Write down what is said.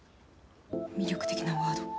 魅力的なワード。